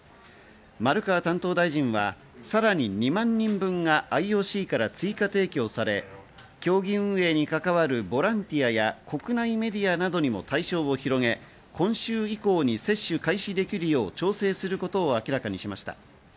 丸川担当大臣はさらに２万人分がＩＯＣから追加提供され、競技運営に関わるボランティアや国内メディアなどにも対象を広げ、今週以降に接種開始できるよう調整することを明らかにしました。